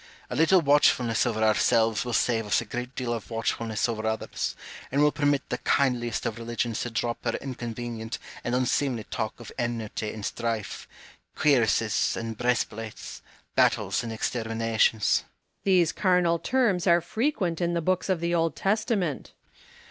A little watchfulness over ourselves will save us a great deal of watchfulness over others, and will permit the kindliest of religions to drop her inconvenient and un seemly talk of enmity and strife, cuirasses and breastplates, battles and exterminations. Home. These carnal terras are frequent in the books of the Old Testament.